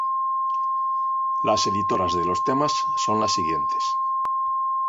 Las editoras de los temas son las siguientes.